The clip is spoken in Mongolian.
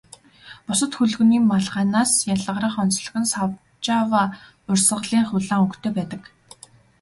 Бусад хөлгөний малгайнаас ялгарах онцлог нь Сажава урсгалынх улаан өнгөтэй байдаг.